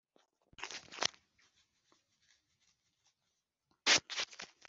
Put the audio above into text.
Buri wese mu Bahagarariye umuryango imbere